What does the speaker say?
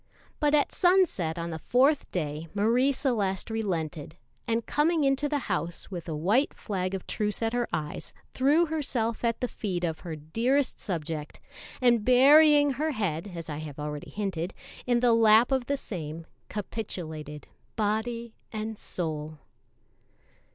But at sunset on the fourth day Marie Celeste relented, and coming into the house with a white flag of truce at her eyes, threw herself at the feet of her dearest subject, and burying her head, as I have already hinted, in the lap of the same, capitulated body and soul.